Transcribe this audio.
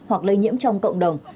hoặc lây nhiễm trong cộng đồng